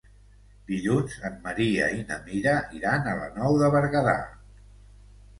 Dilluns en Maria i na Mira iran a la Nou de Berguedà.